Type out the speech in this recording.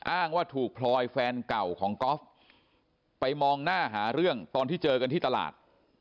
อ้างว่าถูกพลอยแฟนเก่าของก๊อฟไปมองหน้าหาเรื่องตอนที่เจอกันที่ตลาด